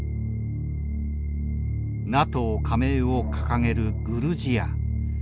ＮＡＴＯ加盟を掲げるグルジア。